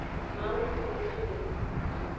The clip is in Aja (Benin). Mawu ngkuvime.